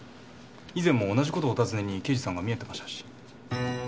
以前も同じ事をお尋ねに刑事さんが見えてましたし。